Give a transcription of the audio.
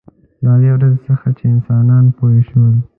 له هغې ورځې څخه چې انسانان پوه شول.